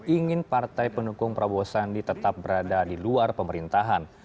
ingin partai pendukung prabowo sandi tetap berada di luar pemerintahan